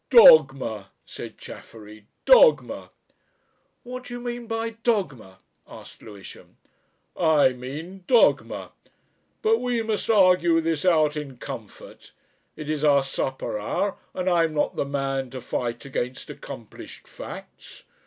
"Dogma," said Chaffery. "Dogma!" "What do you mean by dogma?" asked Lewisham. "I mean, dogma. But we must argue this out in comfort. It is our supper hour, and I'm not the man to fight against accomplished facts.